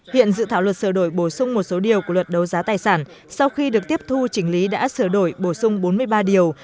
hiện dự thảo luật sửa đổi bổ sung một số điều của luật đấu giá tài sản sau khi được tiếp thu chỉnh lý đã sửa đổi bổ sung bốn mươi ba điều